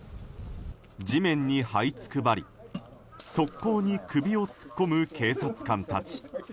地面にはいつくばり側溝に首を突っ込む警察官たち。